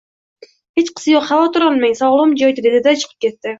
Xechqisi yo`q, xavotir olmang, sog`ligim joyida, dedi-da, chiqib ketdi